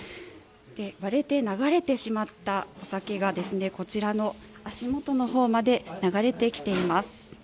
割れて流れてしまったお酒がこちらの足元のほうまで流れてきています。